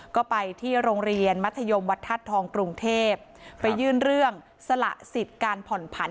ก็ไปที่โรงเรียนมัธยมวัดธาตุทองกรุงเทพไปยื่นเรื่องสละสิทธิ์การผ่อนผัน